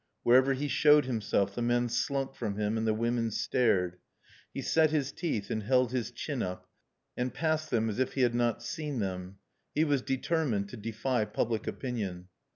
Wherever he showed himself the men slunk from him and the women stared. He set his teeth and held his chin up and passed them as if he had not seen them. He was determined to defy public opinion.